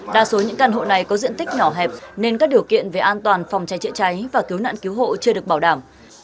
đa số những căn hộ này có diện tích nhỏ hẹp nên các điều kiện về an toàn phòng cháy chữa cháy và cứu nạn cứu hộ chưa được bảo đảm